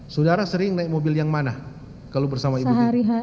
saudara sering naik mobil yang mana kalau bersama ibu tiri